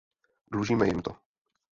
Dlužíme jim to.